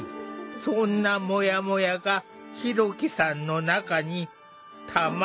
そんなモヤモヤがひろきさんの中にたまっていった。